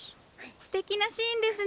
すてきなシーンですね。